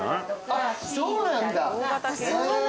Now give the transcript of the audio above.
あっそうなんだへぇ。